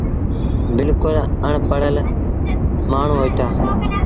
بلڪُل اَڻ پڙهل مآڻهوٚݩ هوئيٚتآ۔